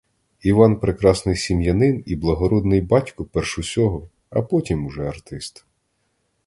Іван прекрасний сім'янин і благородний батько перш усього, а потім уже артист.